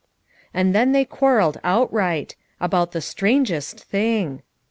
And then they quarreled outright; about the strangest thing!